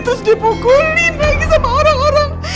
terus dipukulin lagi sama orang orang